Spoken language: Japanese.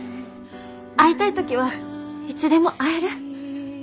会いたい時はいつでも会える。